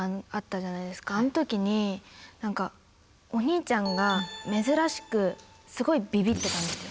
あの時にお兄ちゃんが珍しくすごいびびってたんですよ。